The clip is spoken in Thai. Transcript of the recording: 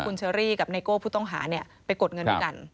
คุณเชอรี่กับไนโก้ผู้ต้องหาเนี่ยไปกดเงินด้วยกัน